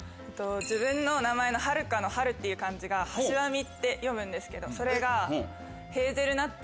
自分の名前の「榛花」の「榛」っていう漢字が。って読むんですけどそれが。